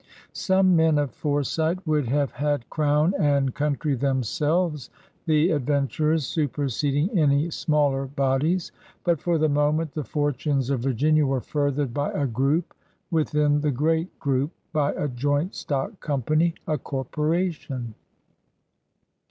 Some men of foresight would have had Crown and Coun try themselves the adventurers, superseding any smaller bodies. But for the moment the fortunes of Virginia were furthered by a group within 4 PIONEERS OF THE OLD SOUTH the great group, by a joint stock company, a corporation.